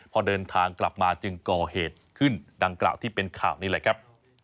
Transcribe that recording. พอเดินทางกลับมาจึงก่อเหตุขึ้นดังกล่าวที่เป็นข่าวนี่แหละครับ